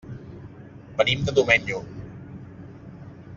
Venim de Domenyo.